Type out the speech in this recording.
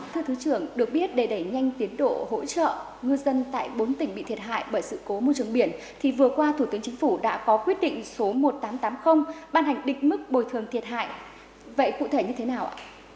thưa thứ trưởng được biết để đẩy nhanh tiến độ hỗ trợ ngư dân tại bốn tỉnh bị thiệt hại bởi sự cố môi trường biển thì vừa qua thủ tướng chính phủ đã có quyết định số một nghìn tám trăm tám mươi ban hành định mức bồi thường thiệt hại vậy cụ thể như thế nào ạ